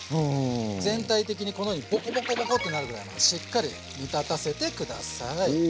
全体的にこのようにボコボコボコってなるぐらいまでしっかり煮立たせてください。